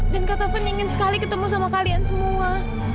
dan kak taufan ingin sekali ketemu sama kalian semua